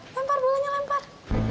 lempar bolanya lempar